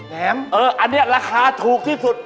แถมอันนี้ราคาถูกที่สุด